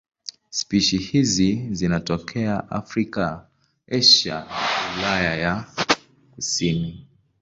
Spishi hizi zinatokea Afrika, Asia na Ulaya ya kusini.